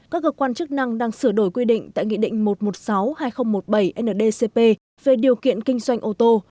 các cơ quan chức năng đang sửa đổi quy định tại nghị định một trăm một mươi sáu hai nghìn một mươi bảy ndcp về điều kiện kinh doanh ô tô